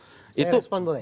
saya respon boleh